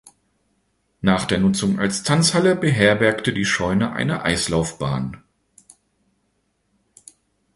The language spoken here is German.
Nach der Nutzung als Tanzhalle beherbergte die Scheune eine Eislaufbahn.